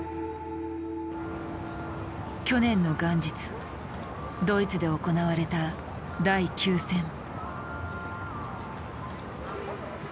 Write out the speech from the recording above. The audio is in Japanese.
去年の元日ドイツで行われた第９戦。